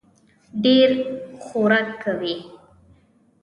ډېر خورک کوي.